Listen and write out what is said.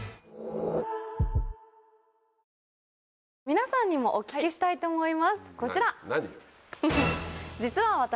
皆さんにもお聞きしたいと思いますこちら！